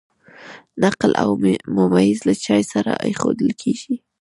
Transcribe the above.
نقل او ممیز له چای سره ایښودل کیږي.